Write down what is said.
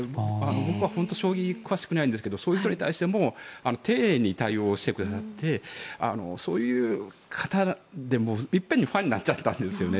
僕は本当に将棋は詳しくないんですけどそういう人に対しても丁寧に対応してくださってそういう方で一遍にファンになっちゃったんですね。